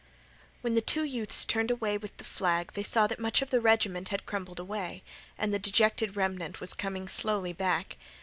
When the two youths turned with the flag they saw that much of the regiment had crumbled away, and the dejected remnant was coming slowly back.